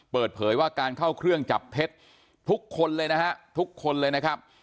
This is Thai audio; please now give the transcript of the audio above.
เปิดเผยว่าการเข้าเครื่องจับเท็จทุกคนเลยนะฮะทุกคนเลยนะครับ